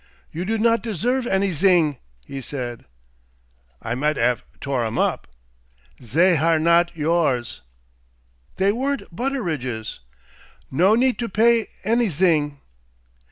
"You do not deserve anyzing!" he said. "I might 'ave tore 'em up." "Zey are not yours!" "They weren't Butteridge's!" "No need to pay anyzing."